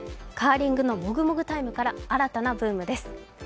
カーリングのもぐもぐタイムから新たなブームです。